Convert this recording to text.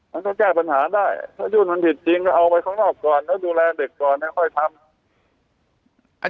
มันก็แก้ปัญหาได้ถ้ายุทธมันผิดจริงก็เอาไปข้างนอกก่อน